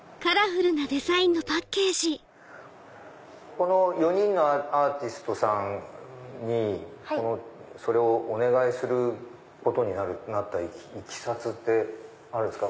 この４人のアーティストさんにそれをお願いすることになったいきさつってあるんすか？